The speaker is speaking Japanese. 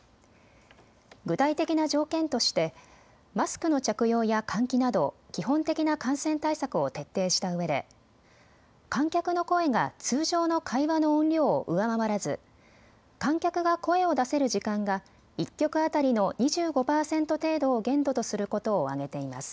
具体的な条件としてマスクの着用や換気など基本的な感染対策を徹底したうえで観客の声が通常の会話の音量を上回らず観客が声を出せる時間が１曲当たりの２５％程度を限度とすることを挙げています。